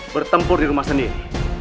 bertempur di rumah sendiri